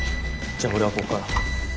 じゃあ俺はここから。